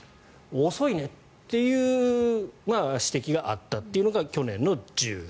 遅いねっていう指摘があったというのが去年１０月。